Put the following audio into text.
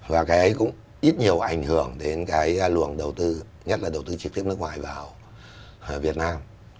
và cái ấy cũng ít nhiều ảnh hưởng đến cái luồng đầu tư nhất là đầu tư trực tiếp nước ngoài vào việt nam